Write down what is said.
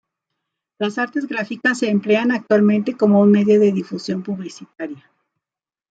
Las artes gráficas se emplean actualmente como un medio de difusión publicitaria.